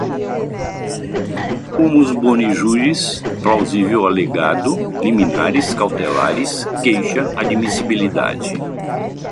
veto, anular, ilegalidade, fumus boni juris, plausível, alegado, liminares, cautelares, queixa, admissibilidade